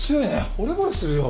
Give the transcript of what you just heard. ほれぼれするよ。